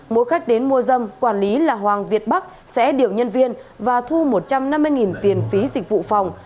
mỗi khách đến mua dâm quản lý là hoàng việt bắc sẽ điều nhân viên và thu một trăm năm mươi tiền phí dịch vụ phòng